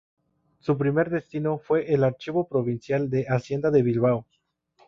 Su primer destino fue el Archivo provincial de Hacienda de Bilbao.